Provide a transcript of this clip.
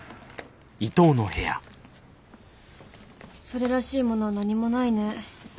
それらしいものは何もないね。